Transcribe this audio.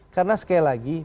karena sekali lagi